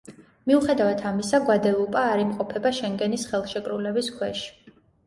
მიუხედავად ამისა, გვადელუპა არ იმყოფება შენგენის ხელშეკრულების ქვეშ.